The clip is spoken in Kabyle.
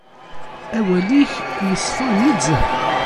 Awal-ik iṣfa nezzeh.